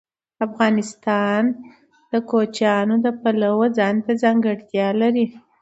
افغانستان د کوچیان د پلوه ځانته ځانګړتیا لري.